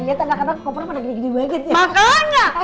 liat anak anak ke kompornya pada gede gede banget ya